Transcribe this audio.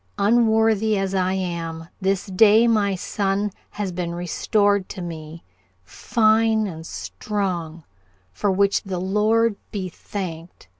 Unworthy as I am, this day my son has been restored to me, fine and strong, for which the Lord be thanked.